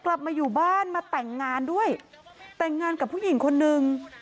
กลับมาอยู่บ้านมาแต่งงานด้วยแต่งงานกับผู้หญิงคนนึง